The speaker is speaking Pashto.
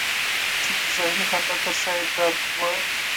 چې د ظاهري خندا تر شا یې درد و.